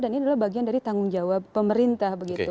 dan ini adalah bagian dari tanggung jawab pemerintah begitu